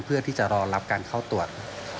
เพื่อที่จะรอรับการเข้าตรวจ